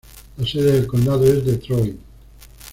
La sede del condado es Detroit.